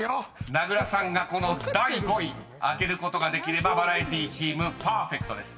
［名倉さんがこの第５位開けることができればバラエティチームパーフェクトです］